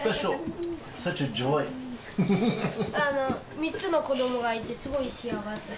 ３つの子どもがいて、すごい幸せ。